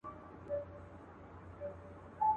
جهاني زما په قسمت نه وو دا ساعت لیکلی.